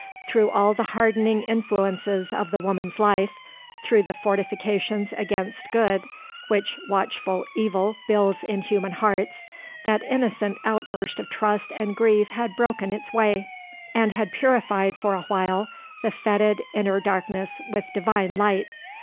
Through all the hardening influences of the woman's life through the fortifications against good which watchful evil builds in human hearts that innocent outburst of trust and grief had broken its way; and had purified for a while the fetid inner darkness with divine light.